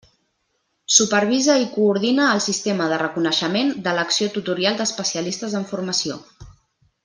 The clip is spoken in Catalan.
Supervisa i coordina el sistema de reconeixement de l'acció tutorial d'especialistes en formació.